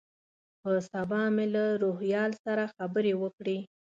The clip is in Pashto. په سبا مې له روهیال سره خبرې وکړې.